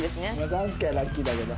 ３助はラッキーだけど。